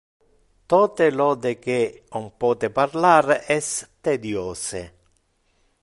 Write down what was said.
Tote lo de que on pote parlar es tediose.